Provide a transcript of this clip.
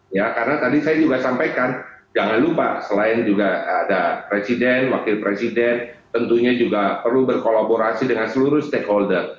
ya karena tadi saya juga sampaikan jangan lupa selain juga ada presiden wakil presiden tentunya juga perlu berkolaborasi dengan seluruh stakeholder